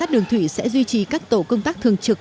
đường thủy sẽ duy trì các tổ công tác thường trực